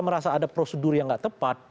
merasa ada prosedur yang nggak tepat